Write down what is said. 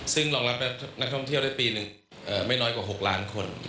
ซึ่งรองรับนักท่องเที่ยวได้ปีนึงไม่น้อยกว่า๖ล้านคน